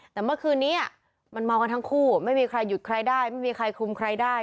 แต่เมื่อคืนนี้มันเมากันทั้งคู่ไม่มีใครหยุดใครได้ไม่มีใครคลุมใครได้